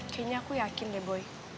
kayaknya aku yakin deh boy